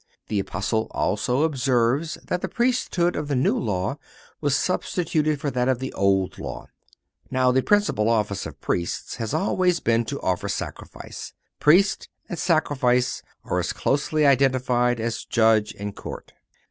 The Apostle also observes that the priesthood of the New Law was substituted for that of the Old Law.(399) Now, the principal office of Priests has always been to offer sacrifice. Priest and sacrifice are as closely identified as judge and court.